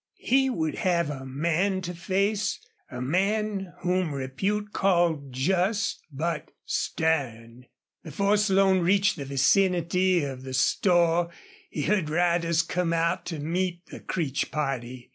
He would have a man to face a man whom repute called just, but stern. Before Slone reached the vicinity of the store he saw riders come out to meet the Creech party.